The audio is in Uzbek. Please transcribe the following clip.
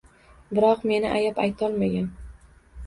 Biroq meni ayab aytolmagan